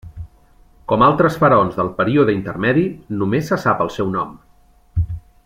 Com altres faraons del període intermedi, només se sap el seu nom.